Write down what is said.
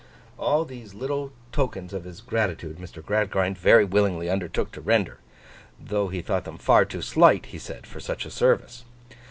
All these little tokens of his gratitude, Mr. Gradgrind very willingly undertook to render. Though he thought them far too slight, he said, for such a service.